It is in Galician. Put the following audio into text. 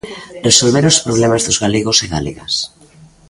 Resolver os problemas dos galegos e galegas.